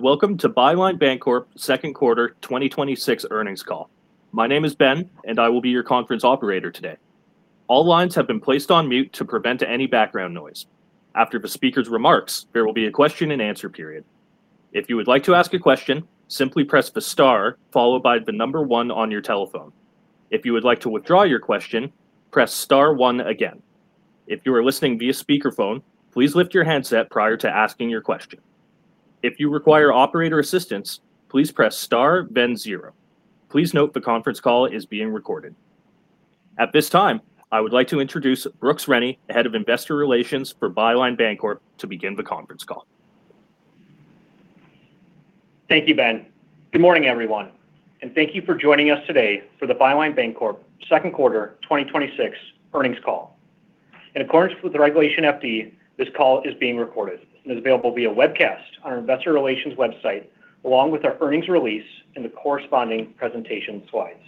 Welcome to Byline Bancorp Second Quarter 2026 Earnings Call. My name is Ben, and I will be your conference Operator today. All lines have been placed on mute to prevent any background noise. After the speaker's remarks, there will be a question and answer period. If you would like to ask a question, simply press the star followed by the number one on your telephone. If you would like to withdraw your question, press star one again. If you are listening via speakerphone, please lift your handset prior to asking your question. If you require operator assistance, please press star then zero. Please note the conference call is being recorded. At this time, I would like to introduce Brooks Rennie, the Head of Investor Relations for Byline Bancorp to begin the conference call. Thank you, Ben. Good morning, everyone, and thank you for joining us today for the Byline Bancorp Second Quarter 2026 Earnings Call. In accordance with Regulation FD, this call is being recorded and is available via webcast on our investor relations website, along with our earnings release and the corresponding presentation slides.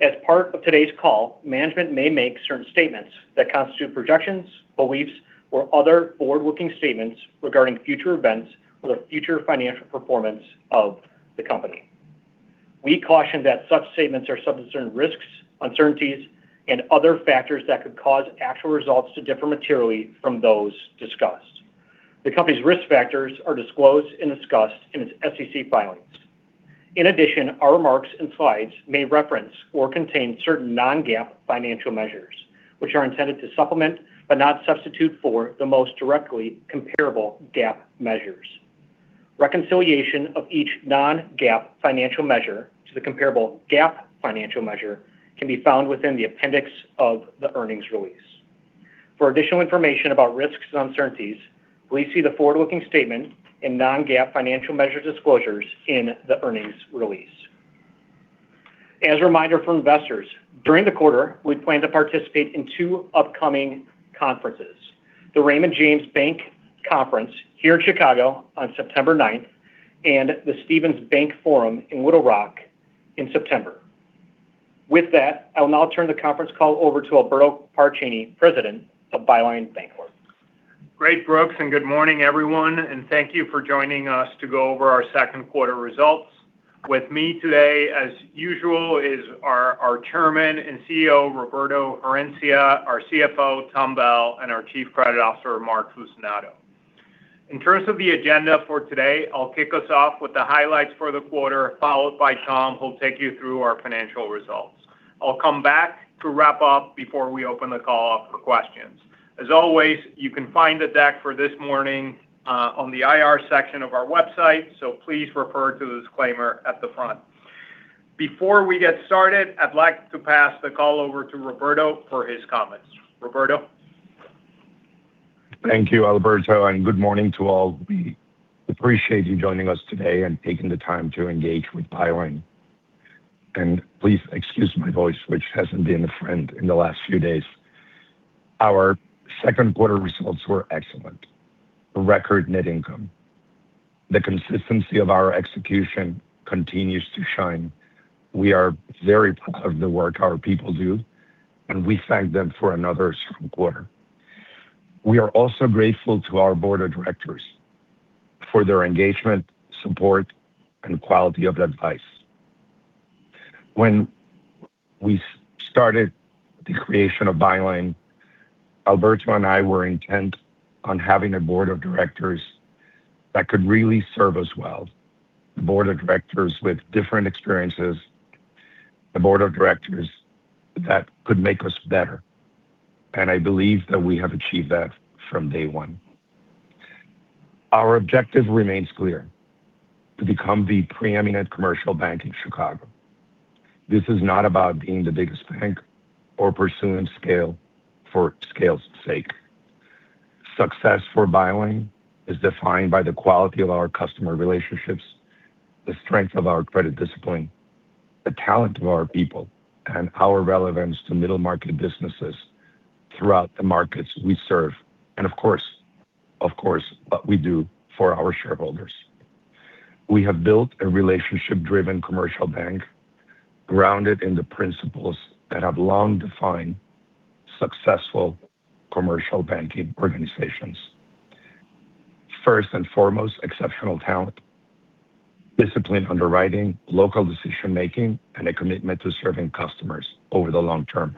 As part of today's call, management may make certain statements that constitute projections, beliefs, or other forward-looking statements regarding future events or the future financial performance of the company. We caution that such statements are subject to certain risks, uncertainties, and other factors that could cause actual results to differ materially from those discussed. The company's risk factors are disclosed and discussed in its SEC filings. In addition, our remarks and slides may reference or contain certain non-GAAP financial measures, which are intended to supplement, but not substitute for, the most directly comparable GAAP measures. Reconciliation of each non-GAAP financial measure to the comparable GAAP financial measure can be found within the appendix of the earnings release. For additional information about risks and uncertainties, please see the forward-looking statement in non-GAAP financial measure disclosures in the earnings release. As a reminder for investors, during the quarter, we plan to participate in two upcoming conferences, the Raymond James Bank Conference here in Chicago on September 9th and the Stephens Bank Forum in Little Rock in September. With that, I will now turn the conference call over to Alberto Paracchini, President of Byline Bancorp. Great, Brooks, good morning, everyone, and thank you for joining us to go over our second quarter results. With me today, as usual, is our Chairman and Chief Executive Officer, Roberto Herencia, our Chief Financial Officer, Tom Bell, and our Chief Credit Officer, Mark Fucinato. In terms of the agenda for today, I'll kick us off with the highlights for the quarter, followed by Tom, who'll take you through our financial results. I'll come back to wrap up before we open the call up for questions. As always, you can find the deck for this morning on the IR section of our website. Please refer to the disclaimer at the front. Before we get started, I'd like to pass the call over to Roberto for his comments. Roberto? Thank you, Alberto, and good morning to all. We appreciate you joining us today and taking the time to engage with Byline. Please excuse my voice, which hasn't been a friend in the last few days. Our second quarter results were excellent. A record net income. The consistency of our execution continues to shine. We are very proud of the work our people do, and we thank them for another strong quarter. We are also grateful to our board of directors for their engagement, support, and quality of advice. When we started the creation of Byline, Alberto and I were intent on having a board of directors that could really serve us well. A board of directors with different experiences, a board of directors that could make us better, and I believe that we have achieved that from day one. Our objective remains clear: to become the preeminent commercial bank in Chicago. This is not about being the biggest bank or pursuing scale for scale's sake. Success for Byline is defined by the quality of our customer relationships, the strength of our credit discipline, the talent of our people, and our relevance to middle-market businesses throughout the markets we serve, and of course, what we do for our shareholders. We have built a relationship-driven commercial bank grounded in the principles that have long defined successful commercial banking organizations. First and foremost, exceptional talent, disciplined underwriting, local decision-making, and a commitment to serving customers over the long term.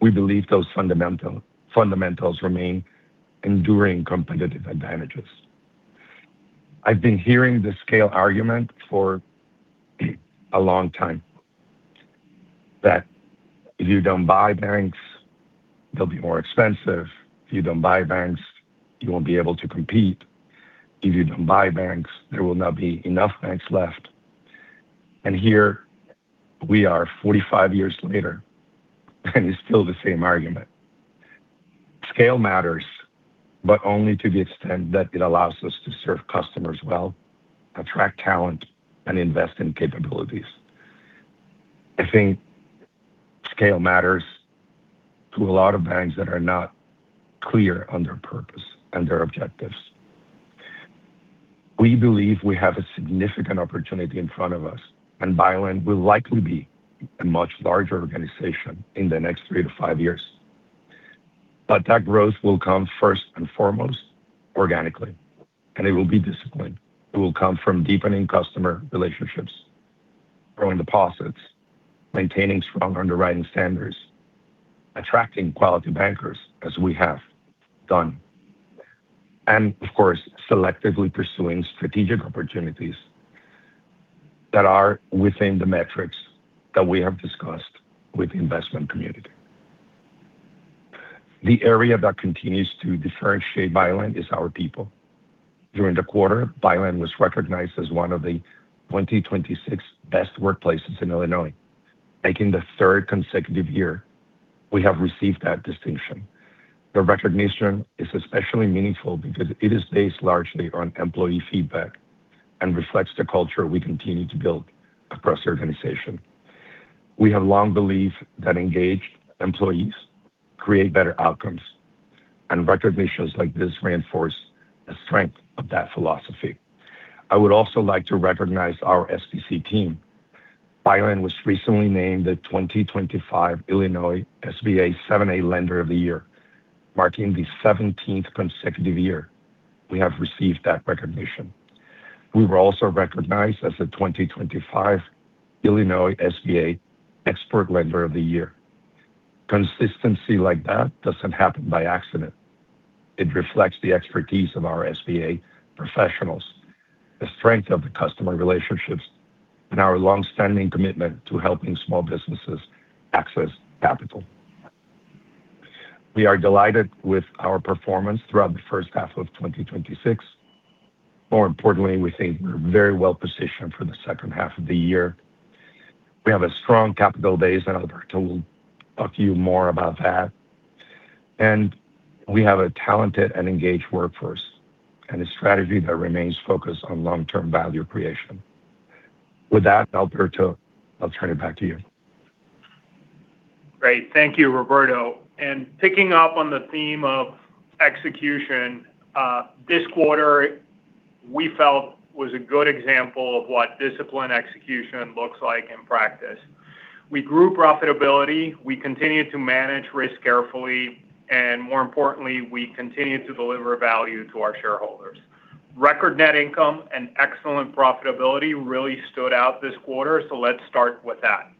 We believe those fundamentals remain enduring competitive advantages. I've been hearing the scale argument for a long time, that if you don't buy banks, they'll be more expensive. If you don't buy banks, you won't be able to compete. If you don't buy banks, there will not be enough banks left. Here we are 45 years later, and it's still the same argument. Scale matters, but only to the extent that it allows us to serve customers well, attract talent, and invest in capabilities. I think scale matters to a lot of banks that are not clear on their purpose and their objectives. We believe we have a significant opportunity in front of us, and Byline will likely be a much larger organization in the next 3-5 years. That growth will come first and foremost organically, and it will be disciplined. It will come from deepening customer relationships, growing deposits, maintaining strong underwriting standards, attracting quality bankers as we have done. Of course, selectively pursuing strategic opportunities that are within the metrics that we have discussed with the investment community. The area that continues to differentiate Byline is our people. During the quarter, Byline was recognized as one of the 2026 best workplaces in Illinois, making the third consecutive year we have received that distinction. The recognition is especially meaningful because it is based largely on employee feedback and reflects the culture we continue to build across the organization. We have long believed that engaged employees create better outcomes, and recognitions like this reinforce the strength of that philosophy. I would also like to recognize our SBA team. Byline was recently named the 2025 Illinois SBA 7(a) Lender of the Year, marking the 17th consecutive year we have received that recognition. We were also recognized as the 2025 Illinois SBA Export Lender of the Year. Consistency like that doesn't happen by accident. It reflects the expertise of our SBA professionals, the strength of the customer relationships, and our longstanding commitment to helping small businesses access capital. We are delighted with our performance throughout the first half of 2026. More importantly, we think we're very well-positioned for the second half of the year. We have a strong capital base, and Alberto will talk to you more about that. We have a talented and engaged workforce, and a strategy that remains focused on long-term value creation. With that, Alberto, I'll turn it back to you. Great. Thank you, Roberto. Picking up on the theme of execution, this quarter we felt was a good example of what disciplined execution looks like in practice. We grew profitability, we continued to manage risk carefully, and more importantly, we continued to deliver value to our shareholders. Record net income and excellent profitability really stood out this quarter. Let's start with that.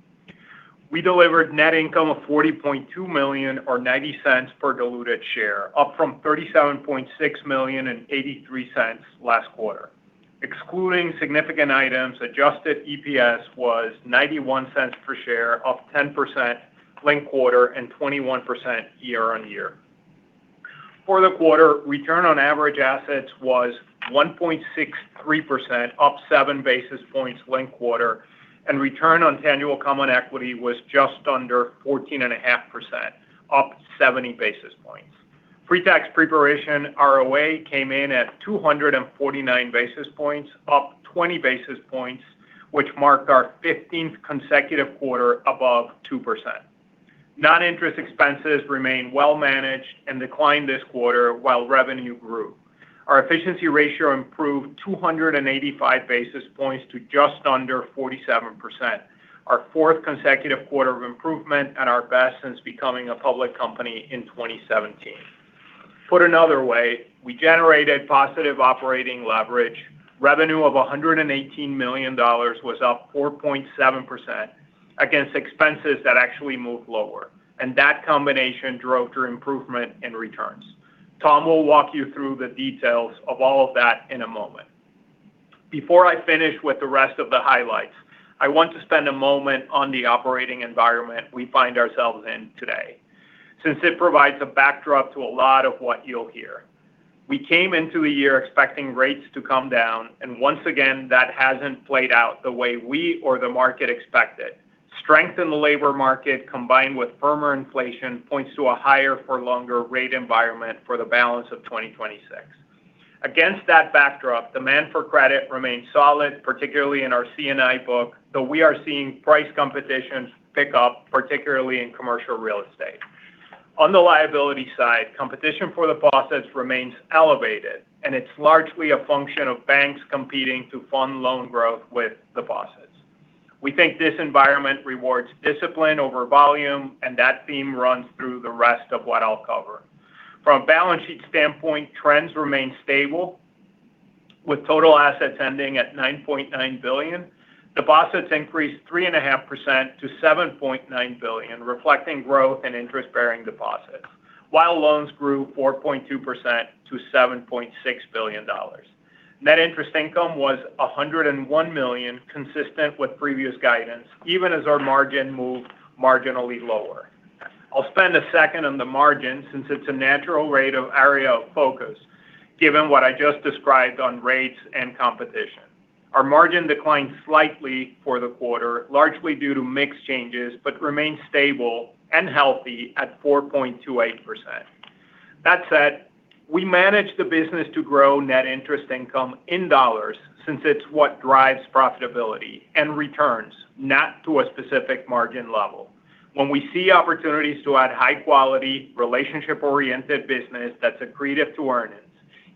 We delivered net income of $40.2 million or $0.90 per diluted share, up from $37.6 million and $0.83 last quarter. Excluding significant items, adjusted EPS was $0.91 per share, up 10% linked quarter and 21% year-on-year. For the quarter, return on average assets was 1.63%, up seven basis points linked quarter, and return on annual common equity was just under 14.5%, up 70 basis points. Pre-tax pre-provision ROA came in at 249 basis points, up 20 basis points, which marked our 15th consecutive quarter above 2%. Non-interest expenses remain well managed and declined this quarter while revenue grew. Our efficiency ratio improved 285 basis points to just under 47%, our fourth consecutive quarter of improvement and our best since becoming a public company in 2017. Put another way, we generated positive operating leverage. Revenue of $118 million was up 4.7% against expenses that actually moved lower, and that combination drove through improvement in returns. Tom will walk you through the details of all of that in a moment. Before I finish with the rest of the highlights, I want to spend a moment on the operating environment we find ourselves in today, since it provides a backdrop to a lot of what you'll hear. We came into the year expecting rates to come down, and once again, that hasn't played out the way we or the market expected. Strength in the labor market, combined with firmer inflation, points to a higher for longer rate environment for the balance of 2026. Against that backdrop, demand for credit remains solid, particularly in our C&I book, though we are seeing price competitions pick up, particularly in commercial real estate. On the liability side, competition for deposits remains elevated, and it's largely a function of banks competing to fund loan growth with deposits. We think this environment rewards discipline over volume, and that theme runs through the rest of what I'll cover. From a balance sheet standpoint, trends remain stable, with total assets ending at $9.9 billion. Deposits increased 3.5% to $7.9 billion, reflecting growth in interest-bearing deposits. While loans grew 4.2% to $7.6 billion. Net interest income was $101 million, consistent with previous guidance, even as our margin moved marginally lower. I'll spend a second on the margin since it's a natural rate of area of focus given what I just described on rates and competition. Our margin declined slightly for the quarter, largely due to mix changes, but remains stable and healthy at 4.28%. That said, we managed the business to grow net interest income in dollars since it's what drives profitability and returns, not to a specific margin level. When we see opportunities to add high-quality, relationship-oriented business that's accretive to earnings.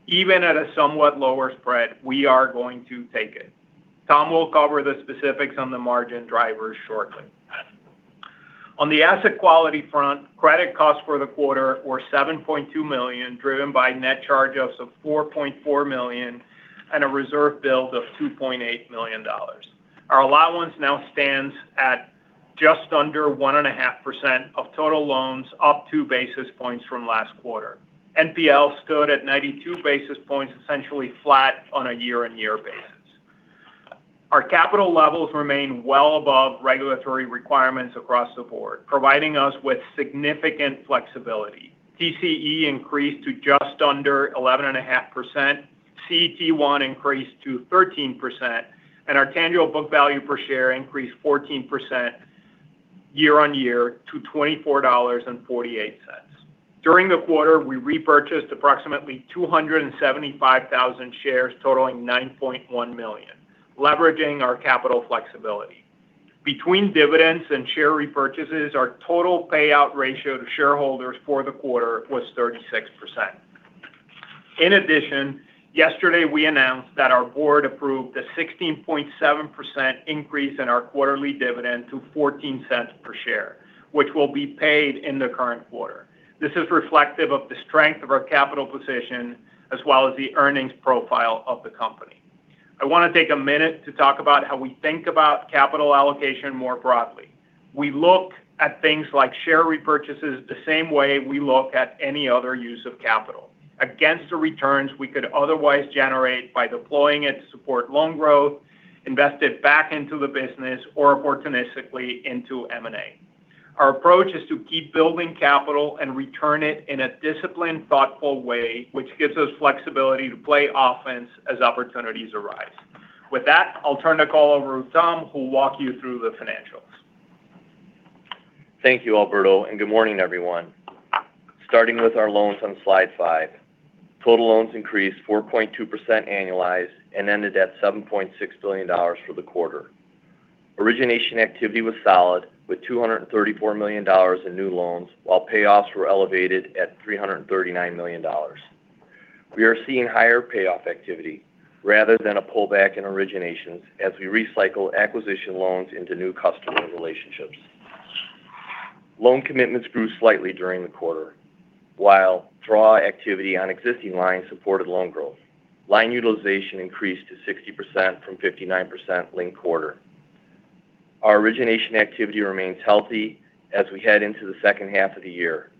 Even at a somewhat lower spread, we are going to take it. Tom will cover the specifics on the margin drivers shortly. On the asset quality front, credit costs for the quarter were $7.2 million, driven by net charge-offs of $4.4 million and a reserve build of $2.8 million. Our allowance now stands at just under 1.5% of total loans, up two basis points from last quarter. NPLs stood at 92 basis points, essentially flat on a year-on-year basis. Our capital levels remain well above regulatory requirements across the board, providing us with significant flexibility. TCE increased to just under 11.5%, CET1 increased to 13%, and our tangible book value per share increased 14% year-on-year to $24.48. During the quarter, we repurchased approximately 275,000 shares totaling $9.1 million, leveraging our capital flexibility. Between dividends and share repurchases, our total payout ratio to shareholders for the quarter was 36%. In addition, yesterday we announced that our board approved a 16.7% increase in our quarterly dividend to $0.14 per share, which will be paid in the current quarter. This is reflective of the strength of our capital position as well as the earnings profile of the company. I want to take a minute to talk about how we think about capital allocation more broadly. We look at things like share repurchases the same way we look at any other use of capital against the returns we could otherwise generate by deploying it to support loan growth, invest it back into the business, or opportunistically into M&A. Our approach is to keep building capital and return it in a disciplined, thoughtful way, which gives us flexibility to play offense as opportunities arise. With that, I'll turn the call over to Tom, who'll walk you through the financials. Thank you, Alberto, and good morning, everyone. Starting with our loans on slide five. Total loans increased 4.2% annualized and ended at $7.6 billion for the quarter. Origination activity was solid with $234 million in new loans, while payoffs were elevated at $339 million. We are seeing higher payoff activity rather than a pullback in originations as we recycle acquisition loans into new customer relationships. Loan commitments grew slightly during the quarter, while draw activity on existing lines supported loan growth. Line utilization increased to 60% from 59% linked quarter. Our origination activity remains healthy as we head into the second half of the year.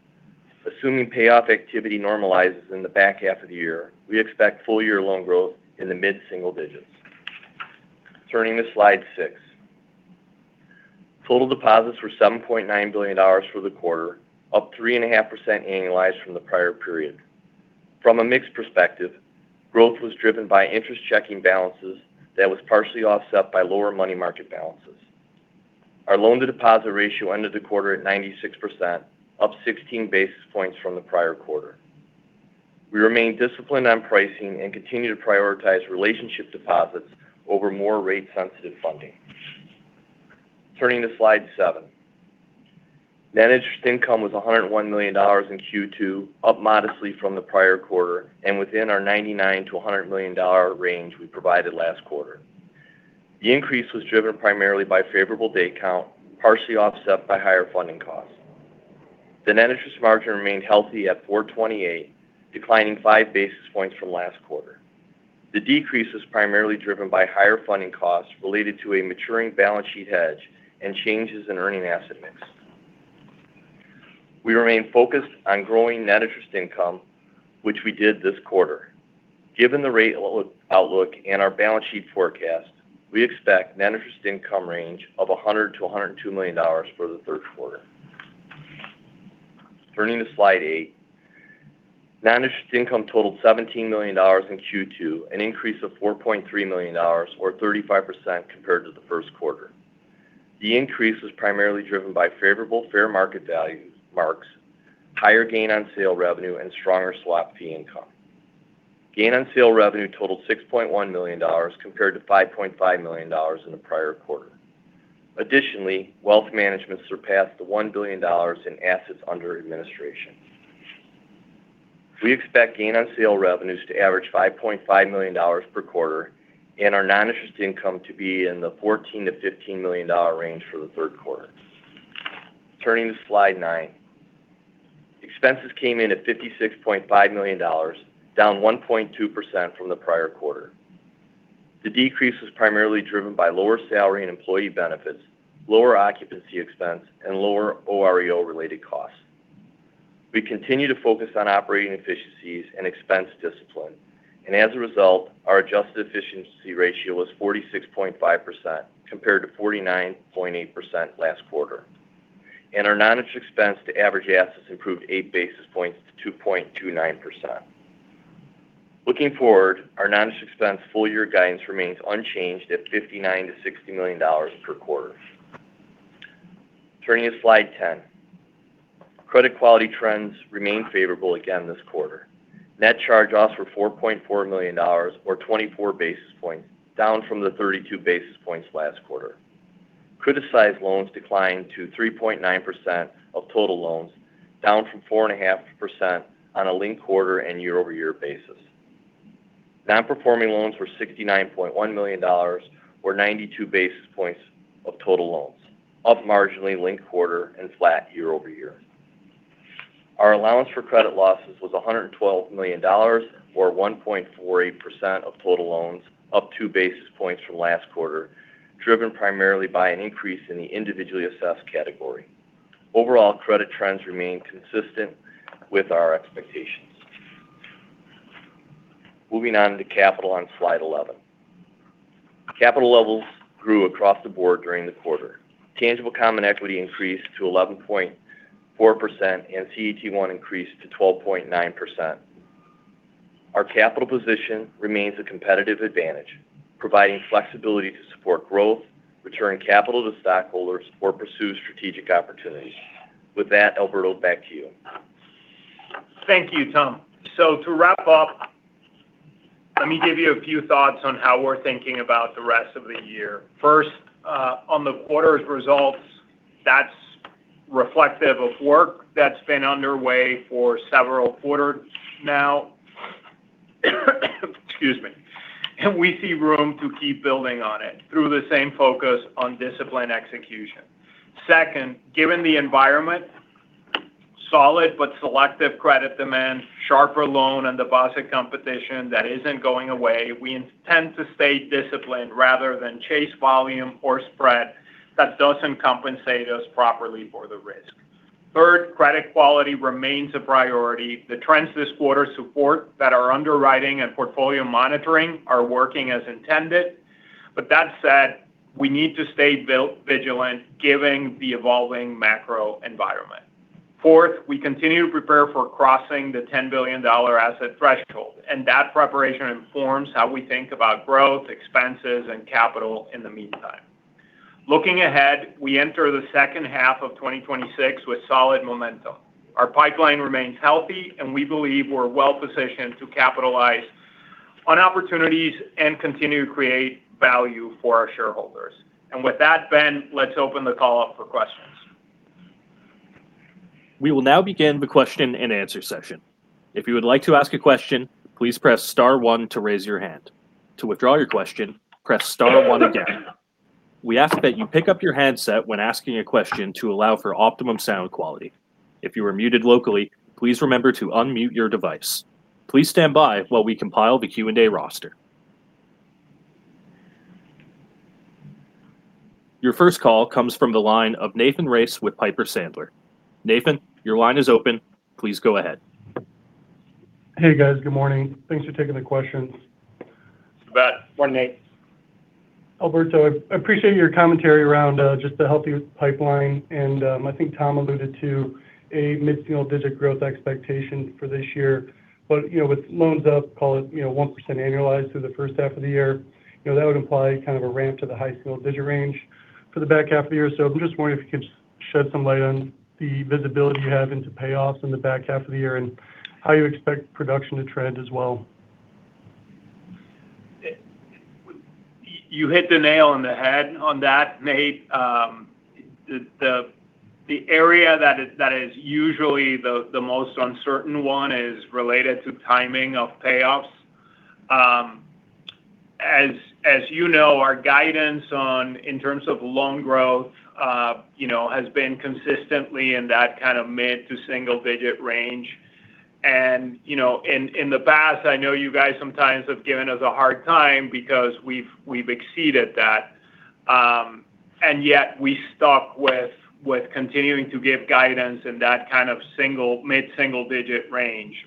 Assuming payoff activity normalizes in the back half of the year, we expect full-year loan growth in the mid-single digits. Turning to slide six. Total deposits were $7.9 billion for the quarter, up 3.5% annualized from the prior period. From a mix perspective, growth was driven by interest checking balances that was partially offset by lower money market balances. Our loan-to-deposit ratio ended the quarter at 96%, up 16 basis points from the prior quarter. We remain disciplined on pricing and continue to prioritize relationship deposits over more rate-sensitive funding. Turning to slide seven. Net interest income was $101 million in Q2, up modestly from the prior quarter and within our $99 million-$100 million range we provided last quarter. The increase was driven primarily by favorable day count, partially offset by higher funding costs. The net interest margin remained healthy at 428, declining 5 basis points from last quarter. The decrease was primarily driven by higher funding costs related to a maturing balance sheet hedge and changes in earning asset mix. We remain focused on growing net interest income, which we did this quarter. Given the rate outlook and our balance sheet forecast, we expect net interest income range of $100 million-$102 million for the third quarter. Turning to slide eight. Non-interest income totaled $17 million in Q2, an increase of $4.3 million, or 35%, compared to the first quarter. The increase was primarily driven by favorable fair market values marks, higher gain on sale revenue, and stronger swap fee income. Gain on sale revenue totaled $6.1 million compared to $5.5 million in the prior quarter. Additionally, wealth management surpassed the $1 billion in assets under administration. We expect gain on sale revenues to average $5.5 million per quarter and our non-interest income to be in the $14 million-$15 million range for the third quarter. Turning to slide nine. Expenses came in at $56.5 million, down 1.2% from the prior quarter. The decrease was primarily driven by lower salary and employee benefits, lower occupancy expense, and lower OREO-related costs. We continue to focus on operating efficiencies and expense discipline. As a result, our adjusted efficiency ratio was 46.5% compared to 49.8% last quarter. Our non-interest expense to average assets improved 8 basis points to 2.29%. Looking forward, our non-interest expense full-year guidance remains unchanged at $59 million-$60 million per quarter. Turning to slide 10. Credit quality trends remained favorable again this quarter. Net charge-offs were $4.4 million, or 24 basis points, down from the 32 basis points last quarter. Criticized loans declined to 3.9% of total loans, down from 4.5% on a linked quarter and year-over-year basis. Non-performing loans were $69.1 million, or 92 basis points of total loans, up marginally linked quarter and flat year-over-year. Our allowance for credit losses was $112 million or 1.48% of total loans, up 2 basis points from last quarter, driven primarily by an increase in the individually assessed category. Overall, credit trends remain consistent with our expectations. Moving on to capital on slide 11. Capital levels grew across the board during the quarter. Tangible common equity increased to 11.4%, and CET1 increased to 12.9%. Our capital position remains a competitive advantage, providing flexibility to support growth, return capital to stockholders, or pursue strategic opportunities. With that, Alberto, back to you. Thank you, Tom. To wrap up, let me give you a few thoughts on how we're thinking about the rest of the year. First, on the quarter's results, that's reflective of work that's been underway for several quarters now. Excuse me. We see room to keep building on it through the same focus on discipline execution. Second, given the environment, solid but selective credit demand, sharper loan and deposit competition that isn't going away, we intend to stay disciplined rather than chase volume or spread that doesn't compensate us properly for the risk. Third, credit quality remains a priority. The trends this quarter support that our underwriting and portfolio monitoring are working as intended. That said, we need to stay vigilant given the evolving macro environment. Fourth, we continue to prepare for crossing the $10 billion asset threshold. That preparation informs how we think about growth, expenses, and capital in the meantime. Looking ahead, we enter the second half of 2026 with solid momentum. Our pipeline remains healthy, and we believe we're well-positioned to capitalize on opportunities and continue to create value for our shareholders. With that, Ben, let's open the call up for questions. We will now begin the question and answer session. If you would like to ask a question, please press star one to raise your hand. To withdraw your question, press star one again. We ask that you pick up your handset when asking a question to allow for optimum sound quality. If you are muted locally, please remember to unmute your device. Please stand by while we compile the Q&A roster. Your first call comes from the line of Nathan Race with Piper Sandler. Nathan, your line is open. Please go ahead. Hey, guys. Good morning. Thanks for taking the questions. You bet. Morning, Nate. Alberto, I appreciate your commentary around just the healthy pipeline, and I think Tom alluded to a mid-single-digit growth expectation for this year. With loans up, call it 1% annualized through the first half of the year, that would imply kind of a ramp to the high single-digit range for the back half of the year. I'm just wondering if you could shed some light on the visibility you have into payoffs in the back half of the year and how you expect production to trend as well. You hit the nail on the head on that, Nate. The area that is usually the most uncertain one is related to timing of payoffs. As you know, our guidance in terms of loan growth has been consistently in that mid to single-digit range. In the past, I know you guys sometimes have given us a hard time because we've exceeded that, and yet we stuck with continuing to give guidance in that mid-single-digit range.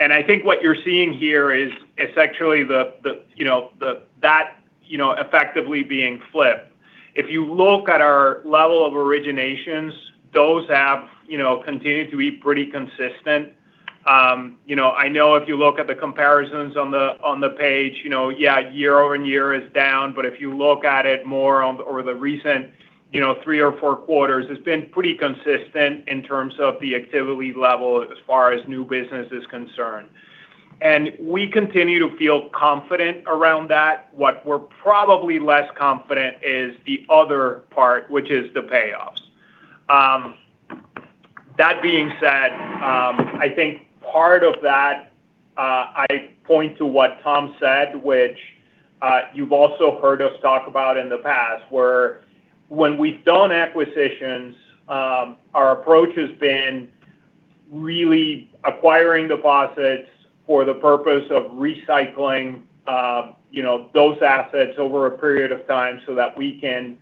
I think what you're seeing here is actually that effectively being flipped. If you look at our level of originations, those have continued to be pretty consistent. I know if you look at the comparisons on the page, yeah, year-over-year is down. If you look at it more over the recent three or four quarters, it's been pretty consistent in terms of the activity level as far as new business is concerned. We continue to feel confident around that. What we're probably less confident is the other part, which is the payoffs. That being said, I think part of that, I point to what Tom said, which you've also heard us talk about in the past, where when we've done acquisitions our approach has been really acquiring deposits for the purpose of recycling those assets over a period of time so that we can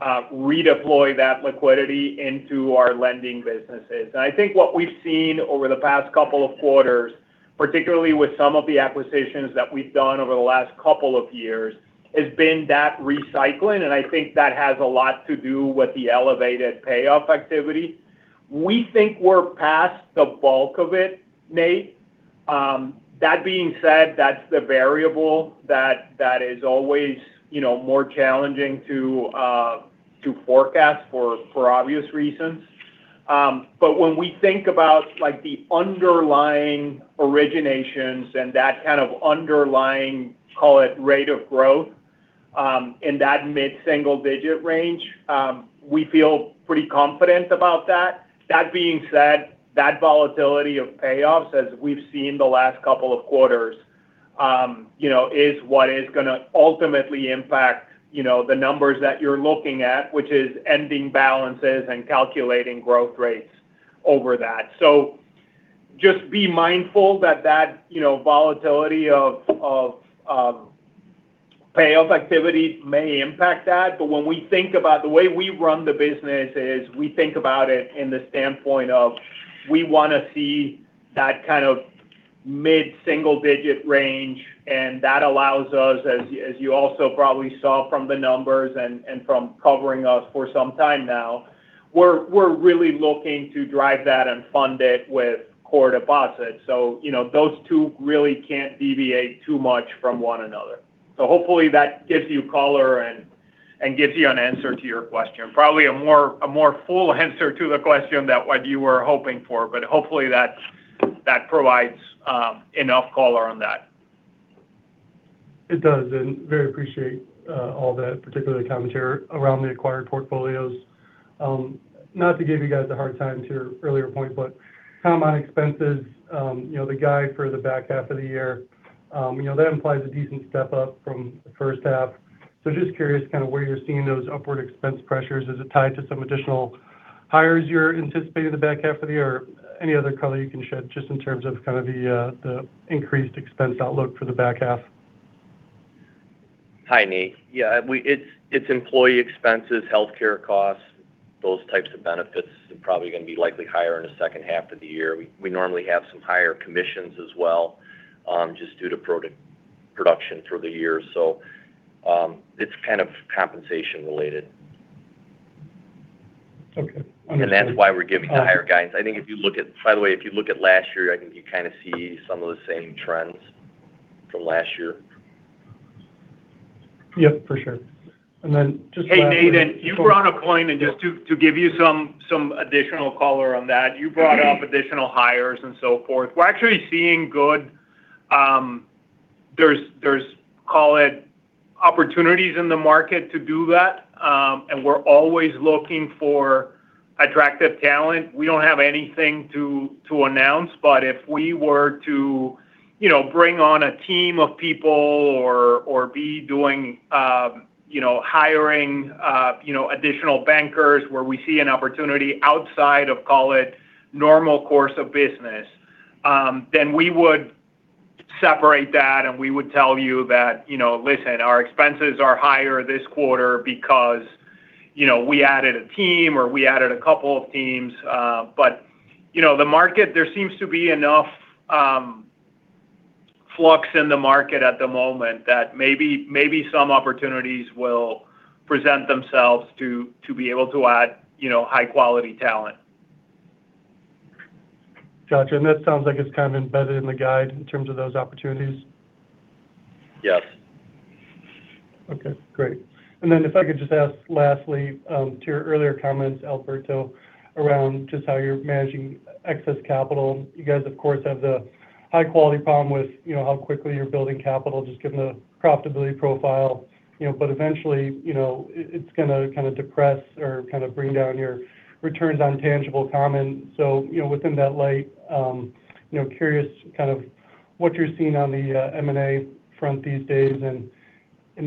redeploy that liquidity into our lending businesses. I think what we've seen over the past couple of quarters, particularly with some of the acquisitions that we've done over the last couple of years, has been that recycling, and I think that has a lot to do with the elevated payoff activity. We think we're past the bulk of it, Nate. That being said, that's the variable that is always more challenging to forecast for obvious reason. When we think about the underlying originations and that kind of underlying, call it rate of growth, in that mid-single-digit range, we feel pretty confident about that. That being said, that volatility of payoffs, as we've seen the last couple of quarters, is what is going to ultimately impact the numbers that you're looking at, which is ending balances and calculating growth rates over that. Just be mindful that that volatility of payoff activity may impact that. When we think about the way we run the business is we think about it in the standpoint of we want to see that kind of mid-single-digit range. That allows us, as you also probably saw from the numbers and from covering us for some time now, we're really looking to drive that and fund it with core deposits. Those two really can't deviate too much from one another. Hopefully that gives you color and gives you an answer to your question. Probably a more full answer to the question than what you were hoping for. Hopefully that provides enough color on that. It does, and I very appreciate all that, particularly the commentary around the acquired portfolios. Not to give you guys a hard time to your earlier point, common expenses, the guide for the back half of the year. That implies a decent step up from the first half. Just curious kind of where you're seeing those upward expense pressures. Is it tied to some additional hires you're anticipating in the back half of the year? Any other color you can shed just in terms of the increased expense outlook for the back half? Hi, Nate. It's employee expenses, healthcare costs. Those types of benefits are probably going to be likely higher in the second half of the year. We normally have some higher commissions as well, just due to production through the year. It's kind of compensation related. Okay. That's why we're giving higher guidance. By the way, if you look at last year, I think you kind of see some of the same trends from last year. Yep, for sure. Then just. Hey, Nate, you brought a point and just to give you some additional color on that. You brought up additional hires and so forth. We're actually seeing good, call it opportunities in the market to do that. We're always looking for attractive talent. We don't have anything to announce, but if we were to bring on a team of people or be doing hiring additional bankers where we see an opportunity outside of call it normal course of business, then we would separate that and we would tell you that, "Listen, our expenses are higher this quarter because we added a team or we added a couple of teams." There seems to be enough flux in the market at the moment that maybe some opportunities will present themselves to be able to add high-quality talent. Got you. That sounds like it's kind of embedded in the guide in terms of those opportunities. Yes. Okay, great. If I could just ask lastly, to your earlier comments, Alberto, around just how you're managing excess capital. You guys of course, have the high-quality problem with how quickly you're building capital, just given the profitability profile. Eventually, it's going to kind of depress or kind of bring down your returns on tangible common. Within that light, curious kind of what you're seeing on the M&A front these days and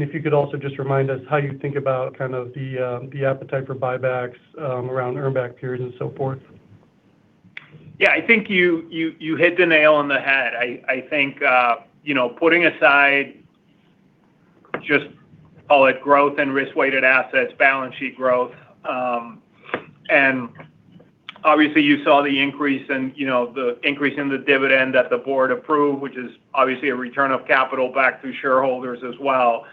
if you could also just remind us how you think about kind of the appetite for buybacks around earn back periods and so forth. Yeah, I think you hit the nail on the head. I think putting aside just call it growth and risk-weighted assets, balance sheet growth. Obviously you saw the increase in the dividend that the board approved, which is obviously a return of capital back to shareholders as well.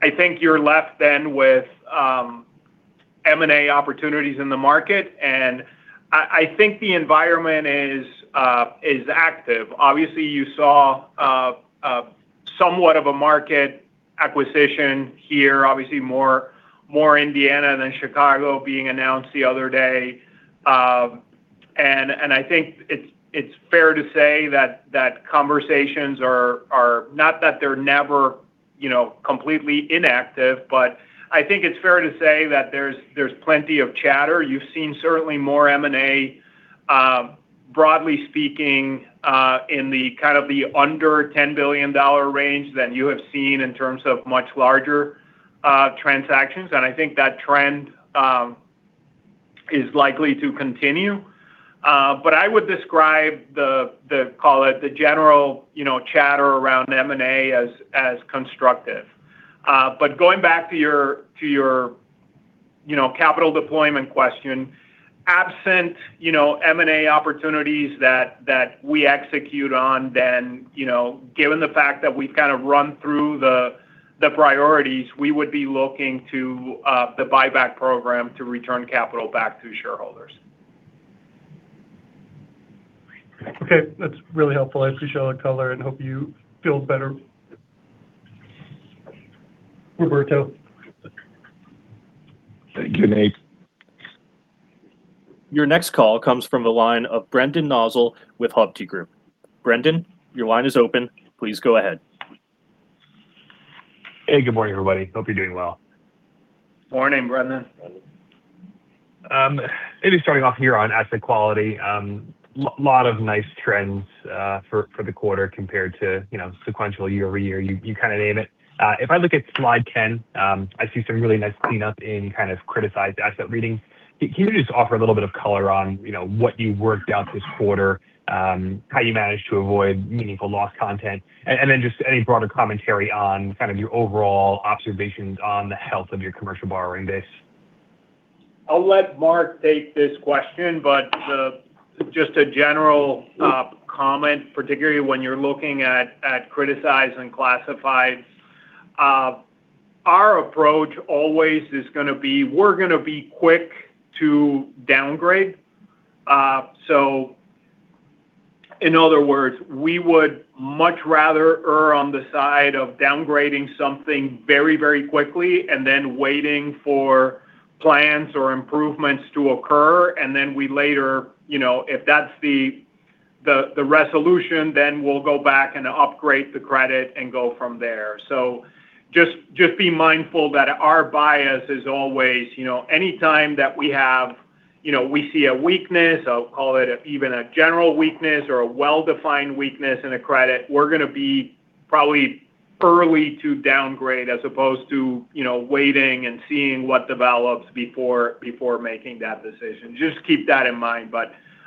I think you're left then with M&A opportunities in the market. I think the environment is active. Obviously, you saw somewhat of a market acquisition here, obviously more Indiana than Chicago being announced the other day. I think it's fair to say that conversations are not that they're never completely inactive, there's plenty of chatter. You've seen certainly more M&A, broadly speaking, in the kind of the under $10 billion range than you have seen in terms of much larger transactions. I think that trend is likely to continue. I would describe the, call it the general chatter around M&A as constructive. Going back to your capital deployment question, absent M&A opportunities that we execute on, then given the fact that we've kind of run through the priorities, we would be looking to the buyback program to return capital back to shareholders. Okay. That's really helpful. I appreciate all the color and hope you feel better, Roberto. Thank you, Nate. Your next call comes from the line of Brendan Nosal with Hovde Group. Brendan, your line is open. Please go ahead. Hey, good morning, everybody. Hope you're doing well. Morning, Brendan. Maybe starting off here on asset quality. Lot of nice trends for the quarter compared to sequential year-over-year. You name it. If I look at slide 10, I see some really nice cleanup in criticized asset readings. Can you just offer a little bit of color on what you've worked out this quarter, how you managed to avoid meaningful loss content, and then just any broader commentary on your overall observations on the health of your commercial borrowing base? I'll let Mark take this question, but just a general comment, particularly when you're looking at criticized and classified. Our approach always is going to be, we're going to be quick to downgrade. In other words, we would much rather err on the side of downgrading something very quickly and then waiting for plans or improvements to occur. Then we later, if that's the resolution, then we'll go back and upgrade the credit and go from there. Just be mindful that our bias is always any time that we see a weakness, I'll call it even a general weakness or a well-defined weakness in a credit, we're going to be probably early to downgrade as opposed to waiting and seeing what develops before making that decision. Just keep that in mind.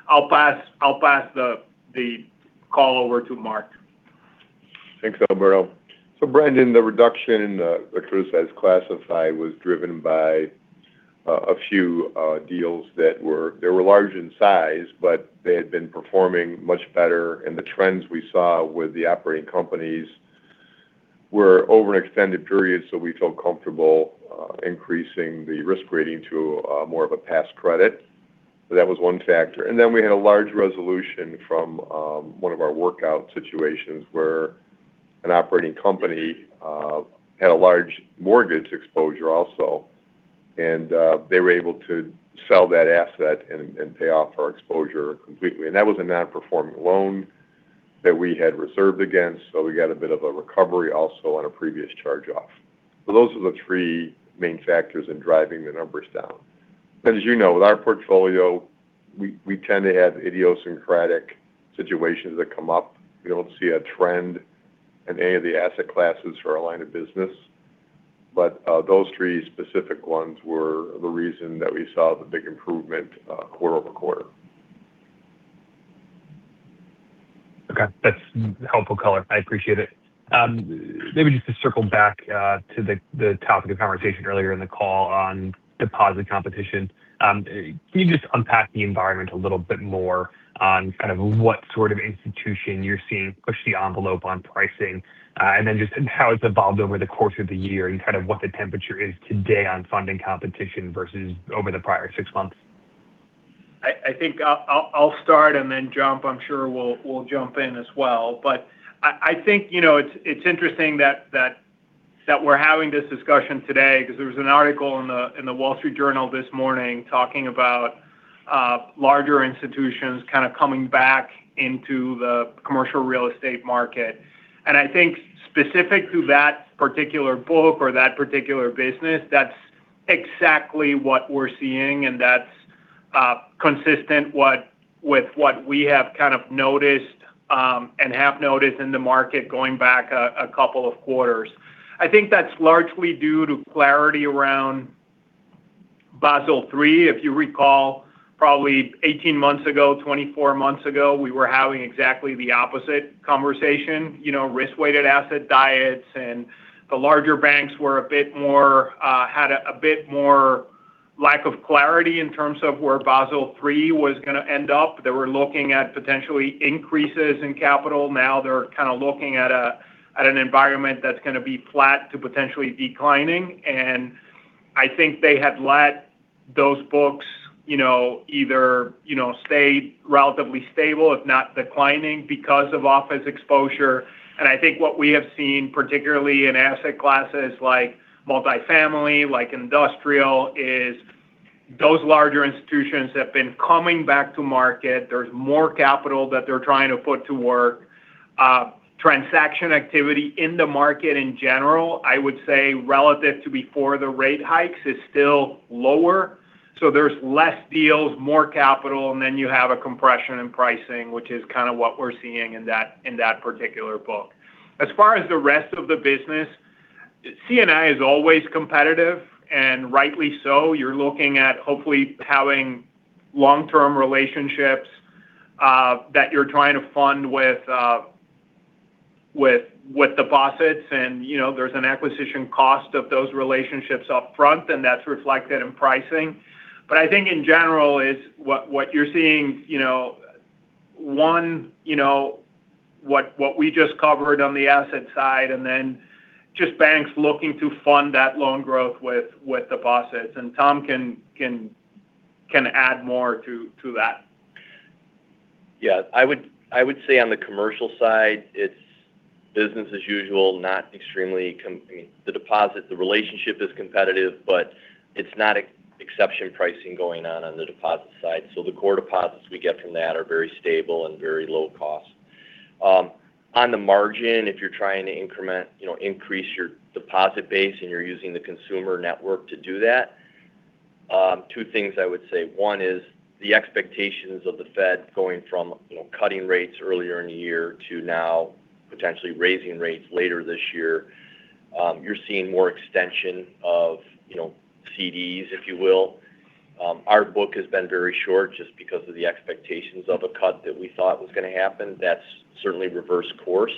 I'll pass the call over to Mark. Thanks, Alberto. Brendan, the reduction in the criticized classified was driven by a few deals that were large in size, but they had been performing much better. The trends we saw with the operating companies were over an extended period, so we felt comfortable increasing the risk rating to more of a pass credit. That was one factor. Then we had a large resolution from one of our workout situations where an operating company had a large mortgage exposure also, they were able to sell that asset and pay off our exposure completely. That was a non-performing loan that we had reserved against. We got a bit of a recovery also on a previous charge-off. Those are the three main factors in driving the numbers down. As you know, with our portfolio, we tend to have idiosyncratic situations that come up. We don't see a trend in any of the asset classes for our line of business. Those three specific ones were the reason that we saw the big improvement quarter-over-quarter. Okay. That's helpful color. I appreciate it. Maybe just to circle back to the topic of conversation earlier in the call on deposit competition. Can you just unpack the environment a little bit more on what sort of institution you're seeing push the envelope on pricing? Just how it's evolved over the course of the year and what the temperature is today on funding competition versus over the prior six months. I think I'll start, and then Tom I'm sure will jump in as well. I think it's interesting that we're having this discussion today because there was an article in The Wall Street Journal this morning talking about larger institutions kind of coming back into the commercial real estate market. I think specific to that particular book or that particular business, that's exactly what we're seeing, and that's consistent with what we have kind of noticed, and have noticed in the market going back a couple of quarters. I think that's largely due to clarity around Basel III. If you recall, probably 18 months ago, 24 months ago, we were having exactly the opposite conversation. Risk-weighted asset diets and the larger banks had a bit more lack of clarity in terms of where Basel III was going to end up. They were looking at potentially increases in capital. They're kind of looking at an environment that's going to be flat to potentially declining. I think they have let those books either stay relatively stable, if not declining because of office exposure. I think what we have seen, particularly in asset classes like multifamily, like industrial, is those larger institutions have been coming back to market. There's more capital that they're trying to put to work. Transaction activity in the market in general, I would say relative to before the rate hikes, is still lower. There's less deals, more capital, you have a compression in pricing, which is kind of what we're seeing in that particular book. As far as the rest of the business, C&I is always competitive, and rightly so. You're looking at hopefully having long-term relationships that you're trying to fund with deposits and there's an acquisition cost of those relationships up front, and that's reflected in pricing. I think in general is what you're seeing, one, what we just covered on the asset side, just banks looking to fund that loan growth with deposits. Tom can add more to that. Yeah. I would say on the commercial side, it's business as usual. The relationship is competitive, but it's not exception pricing going on the deposit side. The core deposits we get from that are very stable and very low cost. On the margin, if you're trying to increase your deposit base and you're using the consumer network to do that, two things I would say. One is the expectations of the Fed going from cutting rates earlier in the year to now potentially raising rates later this year. You're seeing more extension of CDs, if you will. Our book has been very short just because of the expectations of a cut that we thought was going to happen. That's certainly reversed course.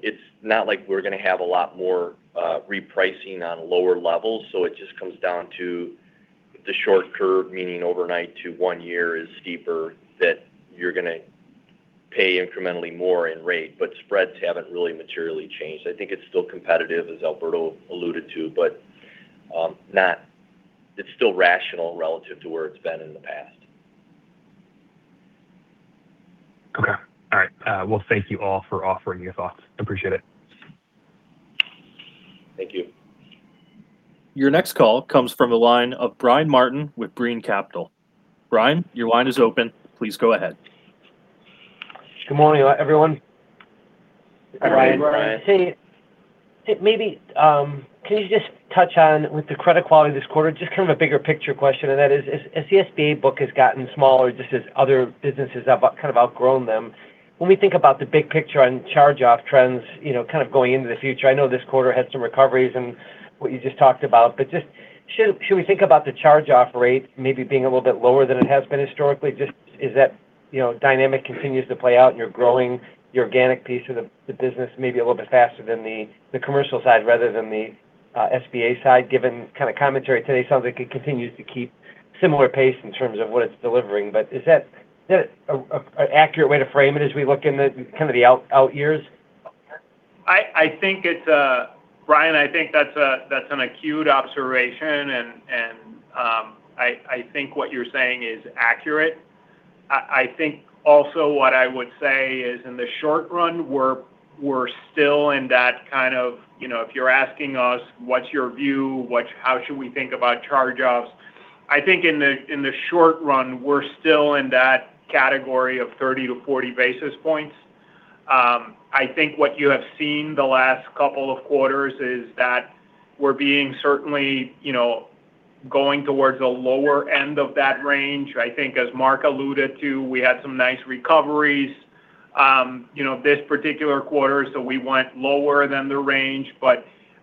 It's not like we're going to have a lot more repricing on lower levels. It just comes down to the short curve, meaning overnight to one year is steeper, that you're going to pay incrementally more in rate. Spreads haven't really materially changed. I think it's still competitive, as Alberto alluded to, but it's still rational relative to where it's been in the past. Okay. All right. Well, thank you all for offering your thoughts. Appreciate it. Thank you. Your next call comes from the line of Brian Martin with Brean Capital. Brian, your line is open. Please go ahead. Good morning, everyone. Hi, Brian. Hi, Brian. Hey. Maybe, can you just touch on, with the credit quality this quarter, just kind of a bigger picture question, and that is, as the SBA book has gotten smaller, just as other businesses have kind of outgrown them, when we think about the big picture on charge-off trends kind of going into the future, I know this quarter had some recoveries and what you just talked about, but just should we think about the charge-off rate maybe being a little bit lower than it has been historically? Just as that dynamic continues to play out and you're growing your organic piece of the business maybe a little bit faster than the commercial side rather than the SBA side, given kind of commentary today, it sounds like it continues to keep similar pace in terms of what it's delivering. Is that an accurate way to frame it as we look in the out years? Brian, I think that's an acute observation, and I think what you're saying is accurate. I think also what I would say is in the short run, we're still in that kind of, if you're asking us, "What's your view? How should we think about charge-offs?" I think in the short run, we're still in that category of 30-40 basis points. I think what you have seen the last couple of quarters is that we're being certainly going towards the lower end of that range. I think as Mark alluded to, we had some nice recoveries this particular quarter, so we went lower than the range.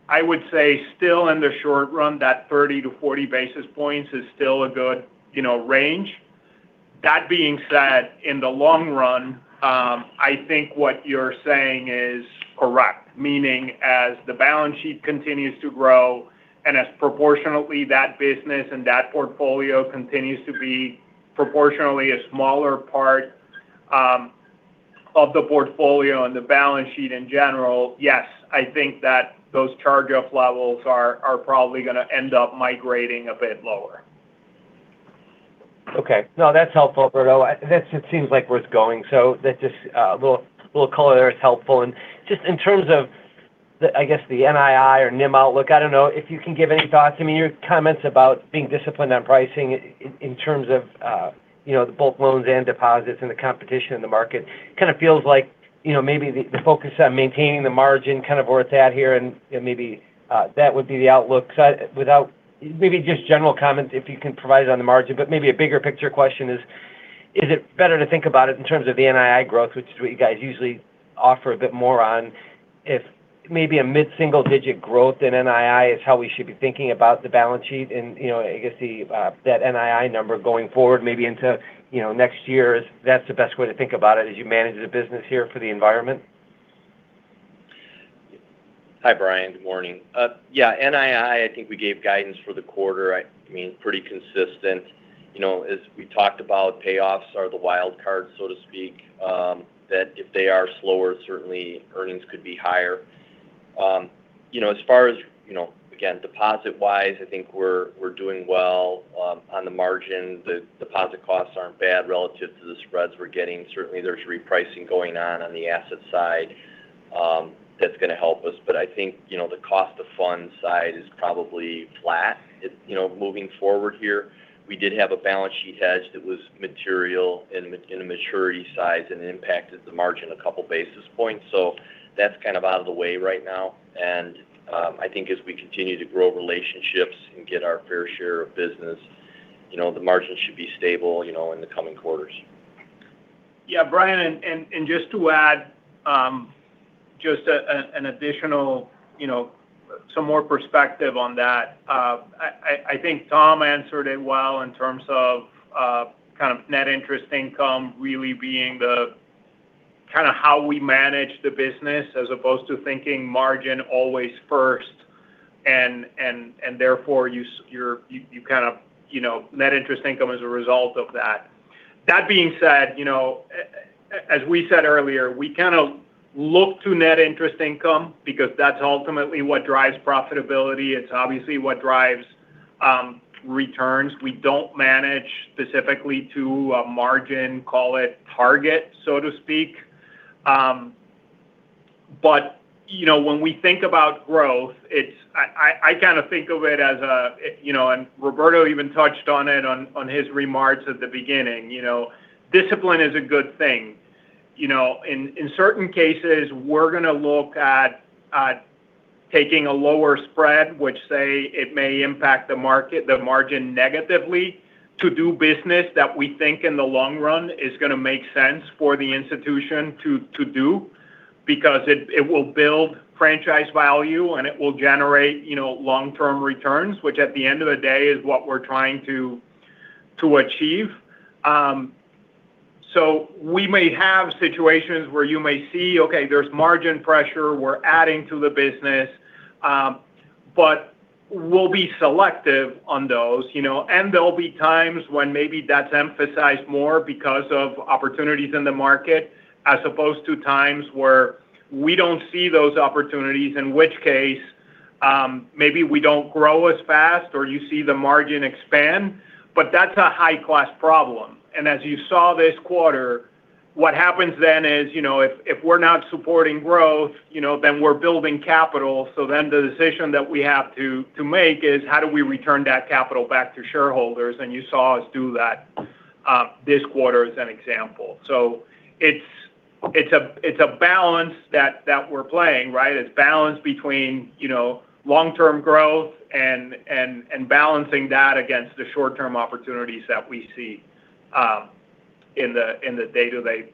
I would say still in the short run, that 30-40 basis points is still a good range. That being said, in the long run, I think what you're saying is correct. Meaning as the balance sheet continues to grow and as proportionately that business and that portfolio continues to be proportionally a smaller part of the portfolio and the balance sheet in general, yes, I think that those charge-off levels are probably going to end up migrating a bit lower. Okay. No, that's helpful, Alberto. That's just seems like where it's going. We'll call it as helpful. Just in terms of the, I guess, the NII or NIM outlook, I don't know if you can give any thoughts. Your comments about being disciplined on pricing in terms of both loans and deposits and the competition in the market kind of feels like maybe the focus on maintaining the margin kind of where it's at here and maybe that would be the outlook. Maybe just general comments if you can provide it on the margin. Maybe a bigger picture question is it better to think about it in terms of the NII growth, which is what you guys usually offer a bit more on? If maybe a mid-single digit growth in NII is how we should be thinking about the balance sheet and I guess that NII number going forward maybe into next year is that's the best way to think about it as you manage the business here for the environment? Hi, Brian. Good morning. NII, I think we gave guidance for the quarter. Pretty consistent. As we talked about, payoffs are the wild card, so to speak, that if they are slower, certainly earnings could be higher. As far as, again, deposit-wise, I think we're doing well on the margin. The deposit costs aren't bad relative to the spreads we're getting. Certainly, there's repricing going on on the asset side that's going to help us. I think the cost of funds side is probably flat moving forward here. We did have a balance sheet hedge that was material in a maturity size and impacted the margin a couple of basis points. That's kind of out of the way right now. I think as we continue to grow relationships and get our fair share of business, the margins should be stable in the coming quarters. Brian, just to add just some more perspective on that. I think Tom answered it well in terms of net interest income really being the kind of how we manage the business as opposed to thinking margin always first and therefore net interest income as a result of that. That being said. As we said earlier, we kind of look to net interest income because that's ultimately what drives profitability. It's obviously what drives returns. We don't manage specifically to a margin, call it target, so to speak. When we think about growth, I kind of think of it as Roberto even touched on it on his remarks at the beginning. Discipline is a good thing. In certain cases, we're going to look at taking a lower spread, which say it may impact the margin negatively to do business that we think in the long run is going to make sense for the institution to do, because it will build franchise value and it will generate long-term returns, which at the end of the day is what we're trying to achieve. We may have situations where you may see, okay, there's margin pressure, we're adding to the business. We'll be selective on those. There'll be times when maybe that's emphasized more because of opportunities in the market as opposed to times where we don't see those opportunities, in which case maybe we don't grow as fast or you see the margin expand. That's a high-class problem. As you saw this quarter, what happens then is if we're not supporting growth, then we're building capital. The decision that we have to make is how do we return that capital back to shareholders? You saw us do that this quarter as an example. It's a balance that we're playing, right? It's balance between long-term growth and balancing that against the short-term opportunities that we see in the day-to-day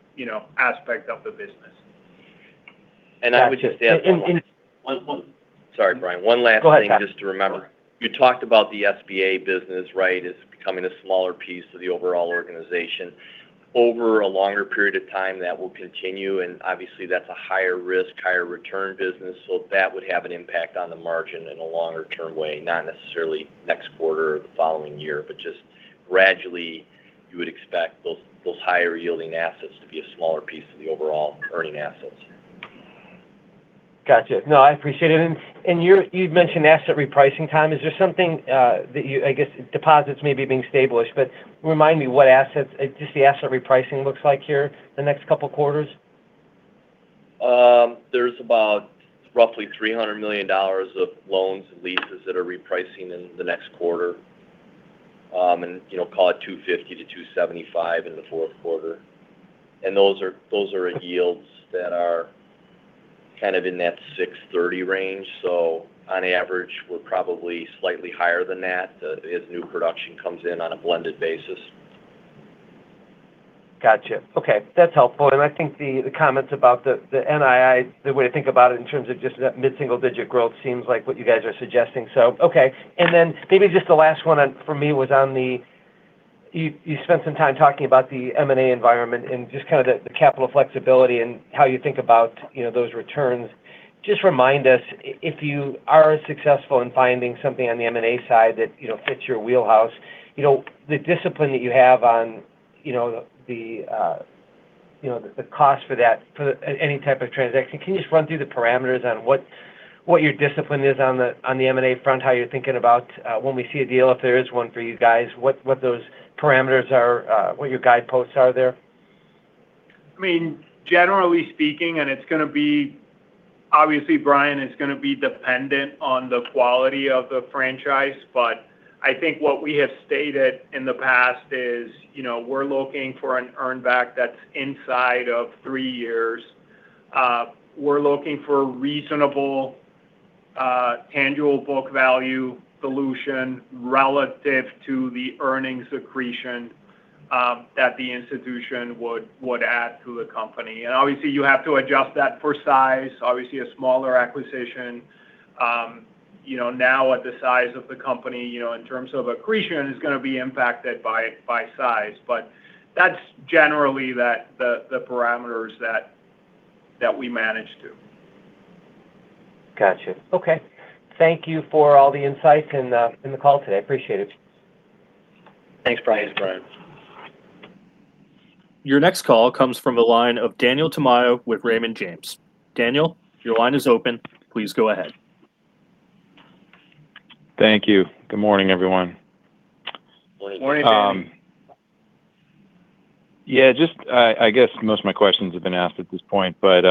aspect of the business. I would just add one. Yeah. Sorry, Brian. One last thing. Go ahead, Tom. Just to remember. You talked about the SBA business, right? It's becoming a smaller piece of the overall organization. Over a longer period of time, that will continue, and obviously that's a higher risk, higher return business. That would have an impact on the margin in a longer-term way, not necessarily next quarter or the following year, but just gradually you would expect those higher yielding assets to be a smaller piece of the overall earning assets. Gotcha. No, I appreciate it. You'd mentioned asset repricing time. Is there something that I guess deposits may be being stabilized, but remind me what assets, just the asset repricing looks like here the next couple of quarters? There's about roughly $300 million of loans and leases that are repricing in the next quarter. Call it $250 million to $275 million in the fourth quarter. Those are yields that are kind of in that 6.30% range. On average, we're probably slightly higher than that as new production comes in on a blended basis. Gotcha. Okay. That's helpful. I think the comments about the NII, the way to think about it in terms of just that mid-single digit growth seems like what you guys are suggesting. Okay. Maybe just the last one for me was on the, you spent some time talking about the M&A environment and just kind of the capital flexibility and how you think about those returns. Just remind us, if you are successful in finding something on the M&A side that fits your wheelhouse, the discipline that you have on the cost for any type of transaction. Can you just run through the parameters on what your discipline is on the M&A front, how you're thinking about when we see a deal, if there is one for you guys, what those parameters are, what your guideposts are there? I mean, generally speaking, it's going to be, obviously, Brian, it's going to be dependent on the quality of the franchise. I think what we have stated in the past is we're looking for an earn back that's inside of three years. We're looking for reasonable tangible book value solution relative to the earnings accretion that the institution would add to the company. Obviously you have to adjust that for size. Obviously a smaller acquisition now at the size of the company, in terms of accretion, is going to be impacted by size. That's generally the parameters that we manage to. Gotcha. Okay. Thank you for all the insights and the call today. I appreciate it. Thanks, Brian. Thanks, Brian. Your next call comes from the line of Daniel Tamayo with Raymond James. Daniel, your line is open. Please go ahead. Thank you. Good morning, everyone. Morning, Dan. Morning. Yeah, I guess most of my questions have been asked at this point, but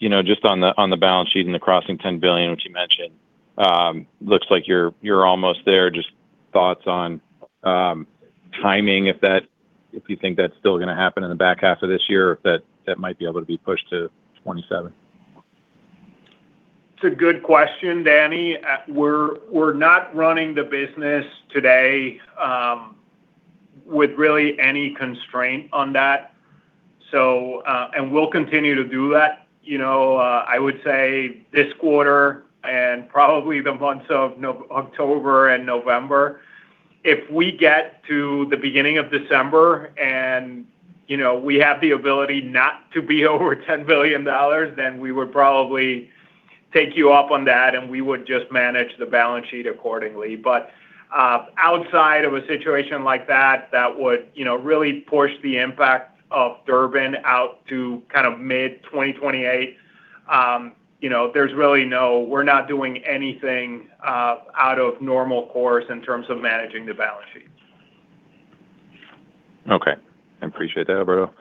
just on the balance sheet and the crossing $10 billion, which you mentioned. Looks like you're almost there. Just thoughts on timing, if you think that's still going to happen in the back half of this year, or if that might be able to be pushed to 2027. It's a good question, Danny. We're not running the business today with really any constraint on that. We'll continue to do that. I would say this quarter and probably the months of October and November. If we get to the beginning of December and we have the ability not to be over $10 billion, we would probably take you up on that and we would just manage the balance sheet accordingly. Outside of a situation like that would really push the impact of Durbin out to mid-2028. We're not doing anything out of normal course in terms of managing the balance sheets. Okay. I appreciate that, Alberto.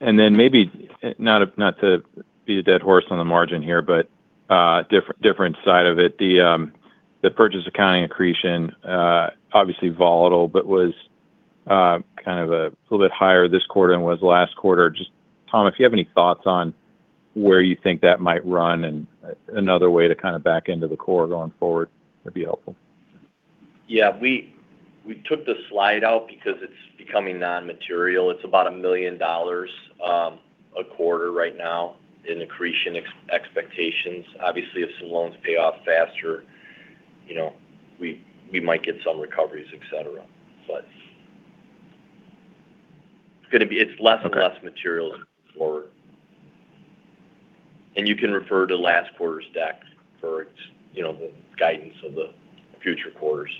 Then maybe not to beat a dead horse on the margin here, Different side of it. The purchase accounting accretion obviously volatile, but was a little bit higher this quarter than it was last quarter. Tom, if you have any thoughts on where you think that might run and another way to back into the core going forward, that'd be helpful. Yeah. We took the slide out because it's becoming non-material. It's about $1 million a quarter right now in accretion expectations. Obviously, if some loans pay off faster we might get some recoveries, et cetera. It's less and less material going forward. You can refer to last quarter's deck for the guidance of the future quarters.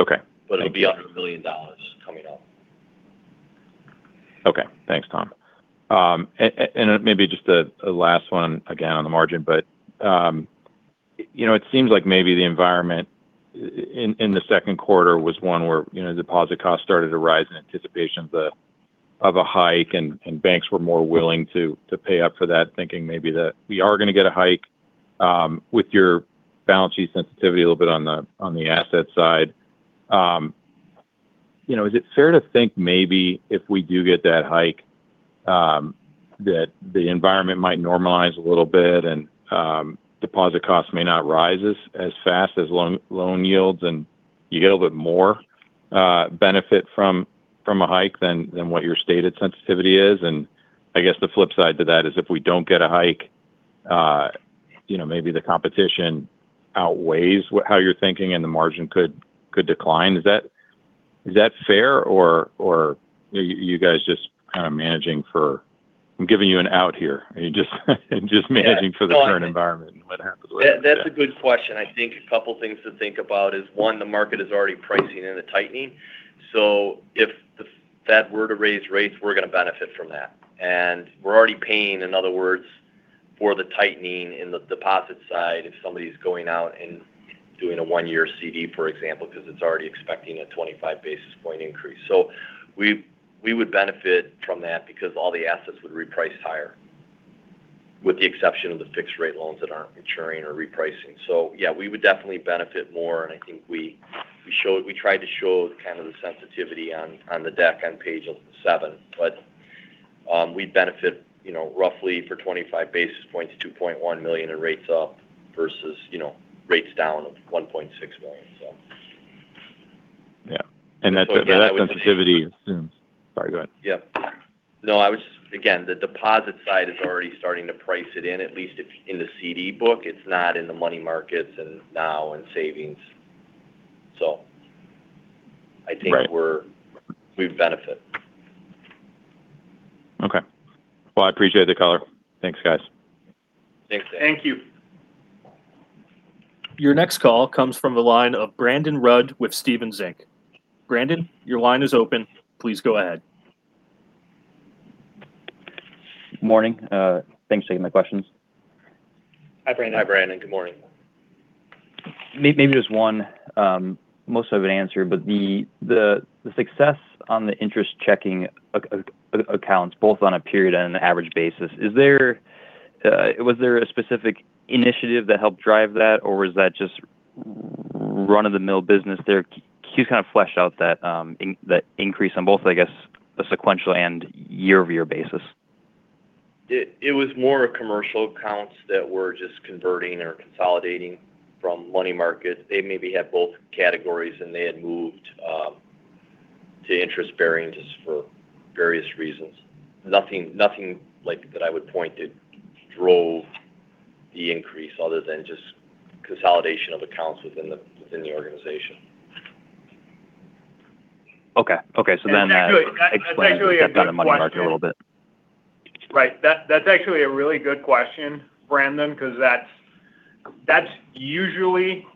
Okay. It'll be under $1 million coming up. Okay. Thanks, Tom. Maybe just a last one, again, on the margin, it seems like maybe the environment in the second quarter was one where deposit costs started to rise in anticipation of a hike and banks were more willing to pay up for that thinking maybe that we are going to get a hike with your balance sheet sensitivity a little bit on the asset side. Is it fair to think maybe if we do get that hike that the environment might normalize a little bit and deposit costs may not rise as fast as loan yields and you get a little bit more benefit from a hike than what your stated sensitivity is? I guess the flip side to that is if we don't get a hike maybe the competition outweighs how you're thinking and the margin could decline. Is that fair or are you guys just kind of managing for? I'm giving you an out here. Are you just managing for the current environment and what happens with? That's a good question. I think a couple of things to think about is one, the market is already pricing in a tightening. If the Fed were to raise rates, we're going to benefit from that. We're already paying, in other words, for the tightening in the deposit side, if somebody's going out and doing a one-year CD, for example, because it's already expecting a 25-basis-point increase. We would benefit from that because all the assets would reprice higher with the exception of the fixed rate loans that aren't maturing or repricing. Yeah, we would definitely benefit more, and I think we tried to show the sensitivity on the deck on page seven. We'd benefit roughly for 25 basis points, $2.1 million in rates up versus rates down of $1.6 million. Yeah. That sensitivity assumes. Sorry, go ahead. Yeah. No. Again, the deposit side is already starting to price it in, at least in the CD book. It's not in the money markets now and savings. I think. Right. We benefit. Okay. Well, I appreciate the color. Thanks, guys. Thanks. Thank you. Your next call comes from the line of Brandon Rud with Stephens Inc. Brandon, your line is open. Please go ahead. Morning. Thanks for taking my questions. Hi, Brandon. Hi, Brandon. Good morning. Maybe just one. Most of it answered, the success on the interest checking accounts both on a period and an average basis. Was there a specific initiative that helped drive that or was that just run-of-the-mill business there? Can you flesh out that increase on both, I guess, the sequential and year-over-year basis? It was more commercial accounts that were just converting or consolidating from money markets. They maybe had both categories and they had moved to interest-bearing just for various reasons. Nothing that I would point to drove the increase other than just consolidation of accounts within the organization. Okay. That's actually a good question. Explains the money market a little bit. Right. That's actually a really good question, Brandon, because that's usually,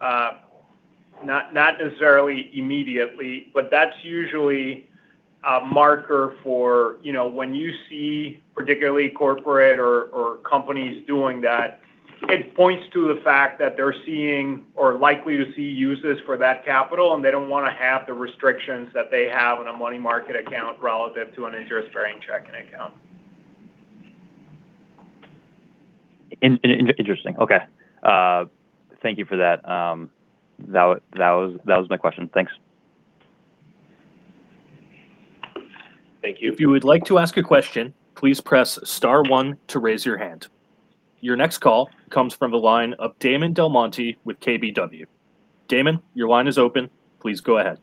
not necessarily immediately, but that's usually a marker for when you see particularly corporate or companies doing that. It points to the fact that they're seeing or likely to see uses for that capital and they don't want to have the restrictions that they have in a money market account relative to an interest-bearing checking account. Interesting. Okay. Thank you for that. That was my question. Thanks. Thank you. If you would like to ask a question, please press star one to raise your hand. Your next call comes from the line of Damon DelMonte with KBW. Damon, your line is open. Please go ahead.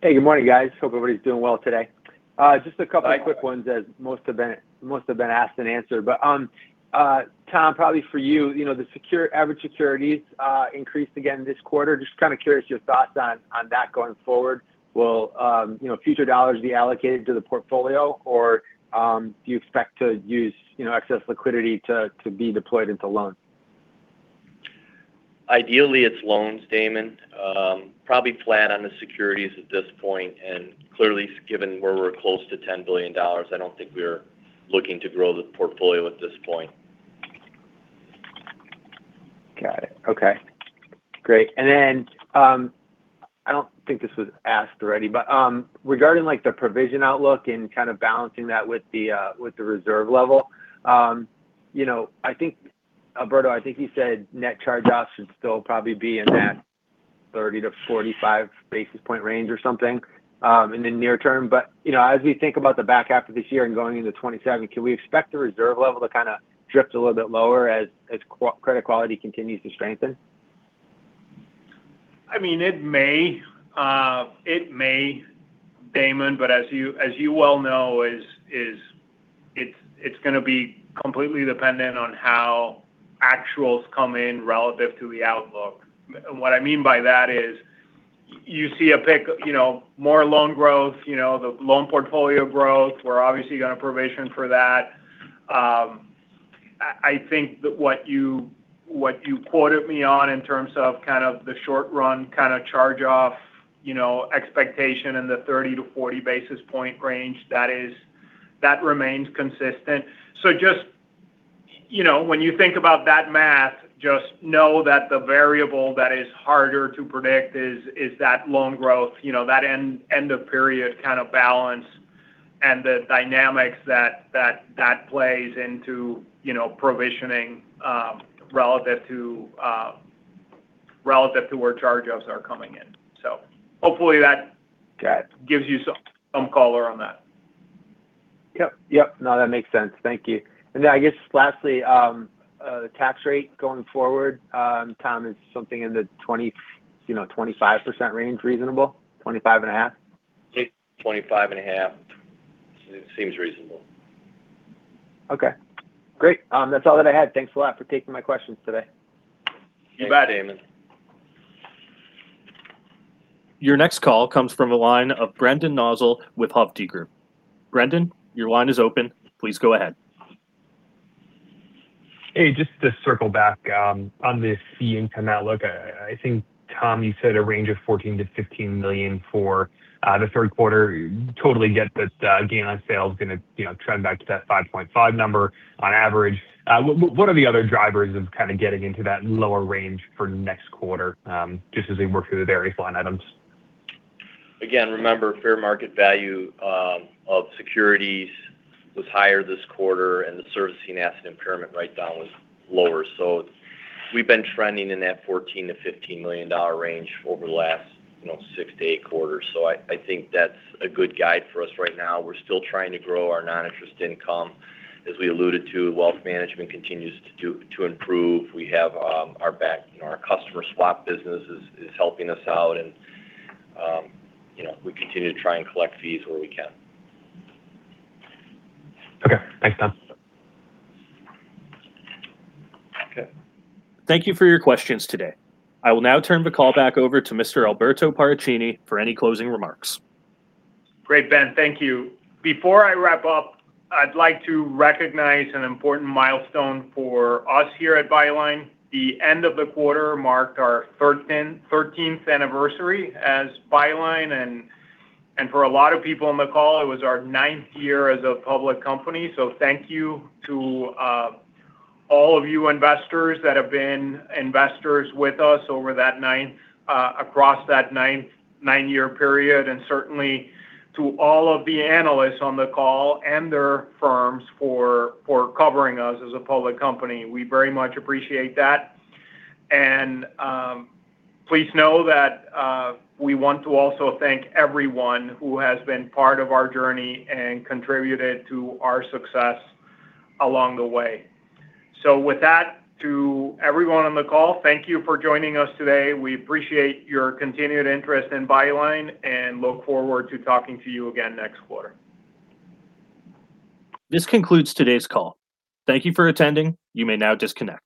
Hey, good morning, guys. Hope everybody's doing well today. Just a couple of quick ones that most have been asked and answered. Tom, probably for you, the average securities increased again this quarter. Just curious your thoughts on that going forward. Will future dollars be allocated to the portfolio or do you expect to use excess liquidity to be deployed into loans? Ideally, it's loans, Damon. Probably flat on the securities at this point, clearly, given where we're close to $10 billion, I don't think we're looking to grow the portfolio at this point. Got it. Okay, great. I don't think this was asked already, but regarding the provision outlook and kind of balancing that with the reserve level. Alberto, I think you said net charge-offs should still probably be in that 30-45 basis point range or something in the near term. As we think about the back half of this year and going into 2027, can we expect the reserve level to kind of drift a little bit lower as credit quality continues to strengthen? It may, Damon, as you well know, it's going to be completely dependent on how actuals come in relative to the outlook. What I mean by that is you see more loan growth, the loan portfolio growth, we're obviously going to provision for that. I think that what you quoted me on in terms of the short run kind of charge-off expectation in the 30-40 basis point range, that remains consistent. When you think about that math, just know that the variable that is harder to predict is that loan growth, that end-of-period kind of balance and the dynamics that plays into provisioning relative to where charge-offs are coming in. Got it. Hopefully it gives you some color on that. Yep. No, that makes sense. Thank you. I guess lastly, the tax rate going forward. Tom, is something in the 25% range reasonable? 25.5%? 25.5% seems reasonable. Okay, great. That's all that I had. Thanks a lot for taking my questions today. You bet, Damon. Your next call comes from the line of Brendan Nosal with Hovde Group. Brendan, your line is open. Please go ahead. Hey, just to circle back on this fee income outlook. I think, Tom, you said a range of $14 million-$15 million for the third quarter. Totally get that gain on sale is going to trend back to that 5.5 number on average. What are the other drivers of kind of getting into that lower range for next quarter, just as we work through the various line items? Again, remember, fair market value of securities was higher this quarter, and the servicing asset impairment write-down was lower. We've been trending in that $14 million-$15 million range over the last six to eight quarters. I think that's a good guide for us right now. We're still trying to grow our non-interest income. As we alluded to, wealth management continues to improve. Our customer swap business is helping us out and we continue to try and collect fees where we can. Okay. Thanks, Tom. Okay. Thank you for your questions today. I will now turn the call back over to Mr. Alberto Paracchini for any closing remarks. Great, Ben. Thank you. Before I wrap up, I'd like to recognize an important milestone for us here at Byline. The end of the quarter marked our 13th anniversary as Byline, and for a lot of people on the call, it was our ninth year as a public company. Thank you to all of you investors that have been investors with us across that nine-year period, and certainly to all of the analysts on the call and their firms for covering us as a public company. We very much appreciate that. Please know that we want to also thank everyone who has been part of our journey and contributed to our success along the way. With that, to everyone on the call, thank you for joining us today. We appreciate your continued interest in Byline and look forward to talking to you again next quarter. This concludes today's call. Thank you for attending. You may now disconnect